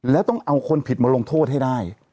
แล้วต้องเอาคนผิดมาลงโทษให้ได้